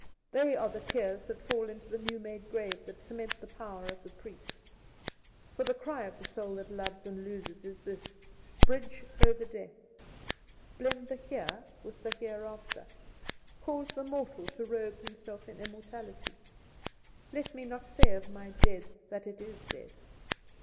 They are the tears that fall into the new made grave that cement the power of the priest. For the cry of the soul that loves and loses is this, only this: "Bridge over Death; blend the Here with the Hereafter; cause the mortal to robe himself in immortality; let me not say of my Dead that it is dead!